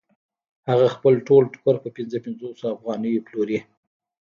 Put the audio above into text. هغه خپل ټول ټوکر په پنځه پنځوس افغانیو پلوري